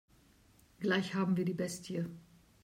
Gleich haben wir die Bestie.